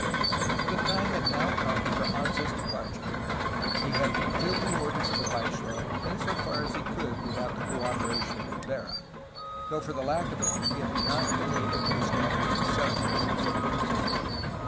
The time had now come for Anza's departure. He had fulfilled the orders of the viceroy insofar as he could without the cooperation of Rivera, though for the lack of it he had not been able to estabUsh the settlements at San Francisco.